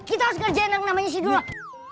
itu burung enggak perih